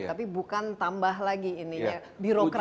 tapi bukan tambah lagi ini birokrasinya